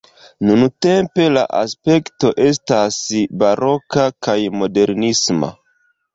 Nuntempe la aspekto estas baroka kaj modernisma.